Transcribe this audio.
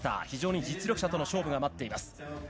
非常に実力者との勝負が待っています。